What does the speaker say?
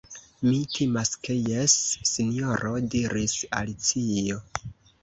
"Mi timas ke jes, Sinjoro," diris Alicio.